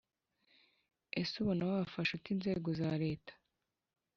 Ese ubona wafasha ute inzego za Leta